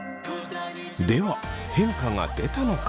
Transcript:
では変化が出たのか？